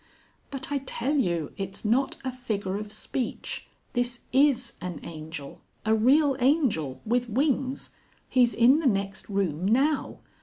"But I tell you it's not a figure of speech; this is an angel, a real angel with wings. He's in the next room now.